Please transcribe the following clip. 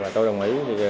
tôi đồng ý